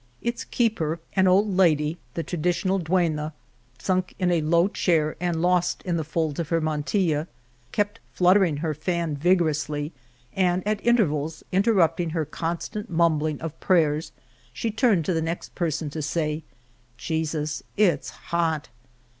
Its keeper, an old 125 El Toboso 1 ■■.. j^^y ^•^^. i.: lady, the traditional duenna, sunk in a low chair, and lost in the folds of her mantilla, kept fluttering her fan vigorously and at in tervals, interrupting her constant mumbling of prayers, she turned to the next person to say, Jesus, it's hot!"